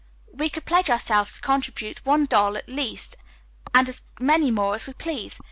"We could pledge ourselves to contribute one doll at least, and as many more as we please.